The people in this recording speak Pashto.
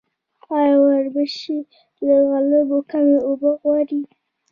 آیا وربشې له غنمو کمې اوبه غواړي؟